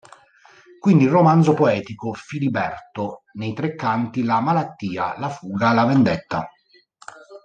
Quindi, il romanzo poetico "Filiberto", nei tre canti La malattia, La fuga, La vendetta.